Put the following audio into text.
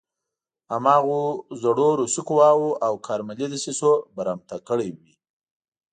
هماغو زړو روسي قواوو او کارملي دسیسو برمته کړی وي.